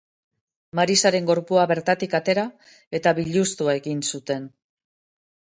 Marisaren gorpua bertatik atera, eta biluztu egin zuten.